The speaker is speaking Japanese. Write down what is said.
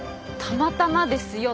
たまたまですよ